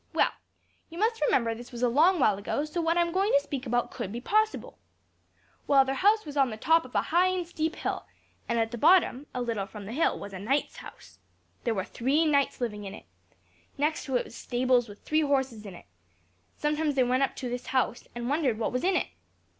Well, you must remember this was a long while ago, so what I'm going to speak about could be possible. Well, their house was on the top of a high and steep hill; and at the bottom, a little from the hill, was a knight's house. There were three knights living in it. Next to it was stables with three horses in it. Sometimes they went up to this house, and wondered what was in it.